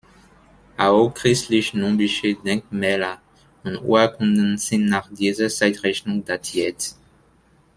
Auch christlich-nubische Denkmäler und Urkunden sind nach dieser Zeitrechnung datiert.